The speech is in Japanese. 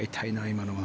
今のは。